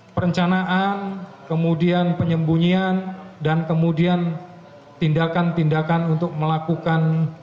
perencanaan kemudian penyembunyian dan kemudian tindakan tindakan untuk melakukan